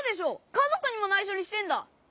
かぞくにもないしょにしてんだ！